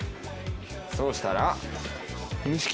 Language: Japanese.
そうしたら。